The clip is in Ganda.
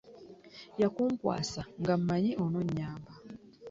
Yakunkwasa nga mmanyi ononnyamba.